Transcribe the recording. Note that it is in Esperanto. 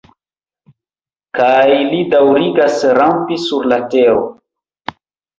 Kaj li daŭrigas rampi sur la tero.